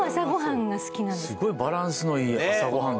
すごいバランスのいい朝ご飯ですよね。